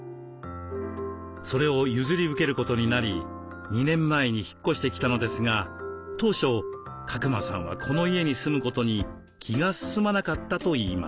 それを譲り受けることになり２年前に引っ越してきたのですが当初鹿熊さんはこの家に住むことに気が進まなかったといいます。